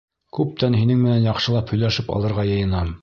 Күптән һинең менән яҡшылап һөйләшеп алырға йыйынам.